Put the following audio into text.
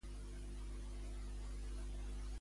El cap de setmana anem a Madrid al concert del Dausà.